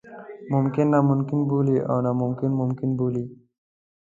ممکن ناممکن بولي او ناممکن ممکن بولي.